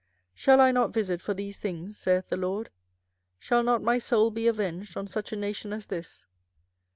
24:005:029 Shall I not visit for these things? saith the LORD: shall not my soul be avenged on such a nation as this?